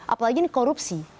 apalagi ini korupsi